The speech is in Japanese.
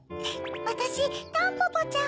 わたしタンポポちゃん。